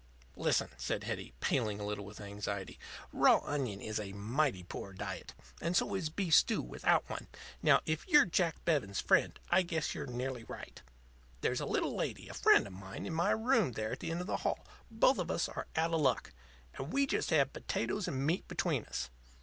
"Listen," said Hetty, paling a little with anxiety. "Raw onion is a mighty poor diet. And so is a beef stew without one. Now, if you're Jack Bevens' friend, I guess you're nearly right. There's a little lady a friend of mine in my room there at the end of the hall. Both of us are out of luck; and we had just potatoes and meat between us.